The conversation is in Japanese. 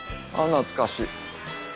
懐かしい。